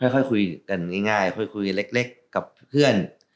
ค่อยคุยกันง่ายค่อยคุยเล็กกับเพื่อน